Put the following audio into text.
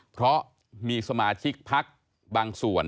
เพราะมีสมาชิกพักบางส่วน